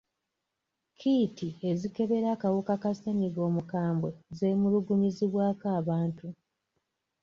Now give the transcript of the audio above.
Kiiti ezikebera akawuka ka ssennyiga omukambwe zeemulugunyizibwako abantu.